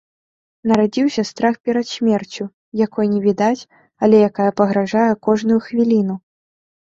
Нарадзіўся страх перад смерцю, якой не відаць, але якая пагражае кожную хвіліну.